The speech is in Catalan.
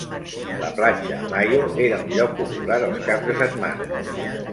La platja a Mayo era un lloc popular els caps de setmana.